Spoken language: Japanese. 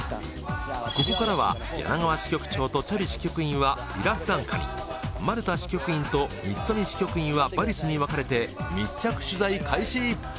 ここからは柳川支局長とチャビ支局員は『ビラフランカ』にマルタ支局員と満冨支局員は『バリス』に分かれて密着取材開始！